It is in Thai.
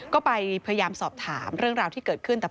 ก็ไปพยายามสอบถามเรื่องราวที่เกิดขึ้น